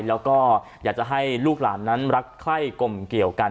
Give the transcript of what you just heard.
แล้วก็อยากจะให้ลูกหลานนั้นรักไข้กลมเกี่ยวกัน